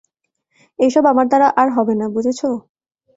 এসব আমার দ্বারা আর হবে না, বুঝেছো?